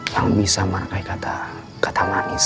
yang bisa merekai kata kata manis